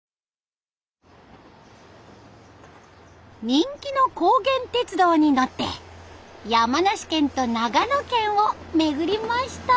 人気の高原鉄道に乗って山梨県と長野県を巡りました。